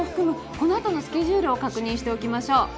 このあとのスケジュールを確認しておきましょう。